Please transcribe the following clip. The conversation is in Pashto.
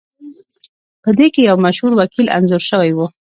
پدې کې یو مشهور وکیل انځور شوی و